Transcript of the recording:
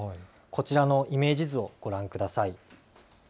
こちらのイメージ図をご覧ください。